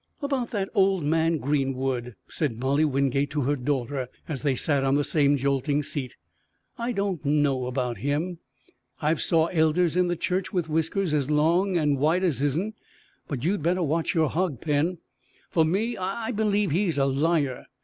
"About that old man Greenwood," said Molly Wingate to her daughter as they sat on the same jolting seat, "I don't know about him. I've saw elders in the church with whiskers as long and white as his'n, but you'd better watch your hog pen. For me, I believe he's a liar.